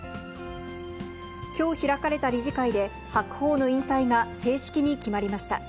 きょう開かれた理事会で、白鵬の引退が正式に決まりました。